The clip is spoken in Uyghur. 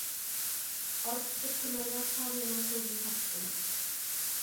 ئارتۇق گەپ قىلمايلا سانىيەنىڭ قولىدىن تارتتىم.